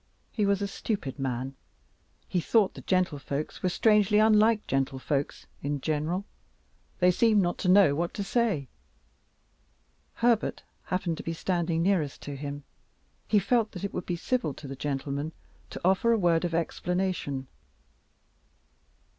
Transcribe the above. He was a stupid man; he thought the gentlefolks were strangely unlike gentlefolks in general; they seemed not to know what to say. Herbert happened to be standing nearest to him; he felt that it would be civil to the gentleman to offer a word of explanation.